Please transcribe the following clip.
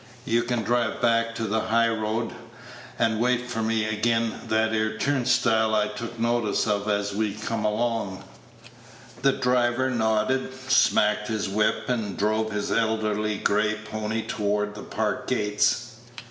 You can drive back into the high road, and wait for me agen that 'ere turnstile I took notice of as we come along." The driver nodded, smacked his whip, and drove his elderly gray pony toward the Park gates.